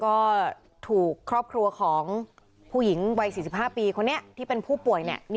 ก็ถูกครอบครัวของผู้หญิงวัย๔๕ปีคนนี้ที่เป็นผู้ป่วย